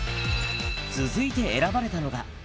続いて選ばれたのが。